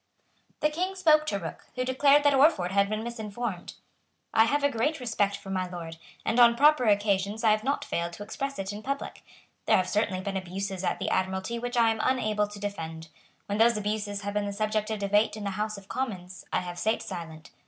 The King spoke to Rooke, who declared that Orford had been misinformed. "I have a great respect for my Lord; and on proper occasions I have not failed to express it in public. There have certainly been abuses at the Admiralty which I am unable to defend. When those abuses have been the subject of debate in the House of Commons, I have sate silent.